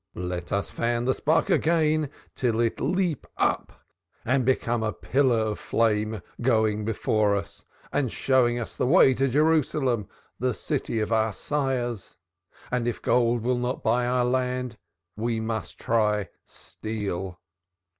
Let us fan the spark again till it leap up and become a pillar of flame going before us and showing us the way to Jerusalem, the City of our sires. And if gold will not buy back our land we must try steel.